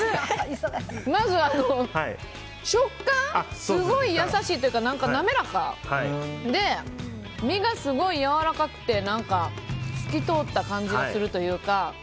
まず、食感すごい優しいというか滑らかで身がすごいやわらかくて透き通った感じがするというか。